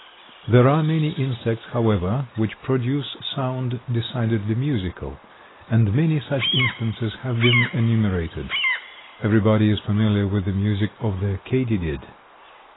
There are many insects, however, which produce sound decidedly musical; and many such instances have been enumerated. Everybody is familiar with the music of the katydid.